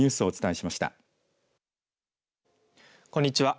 こんにちは。